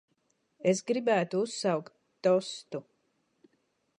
Es gribētu uzsaukt tostu.